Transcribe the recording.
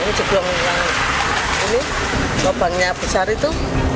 ini juga mengenal lubangnya besar itu